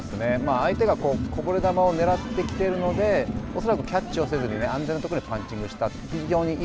相手が、こぼれ球をねらってきてるので恐らくキャッチをせずに安全なパンチングをした。